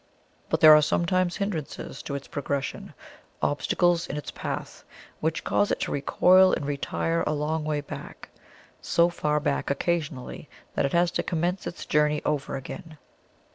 But there are sometimes hindrances to its progression obstacles in its path, which cause it to recoil and retire a long way back so far back occasionally that it has to commence its journey over again.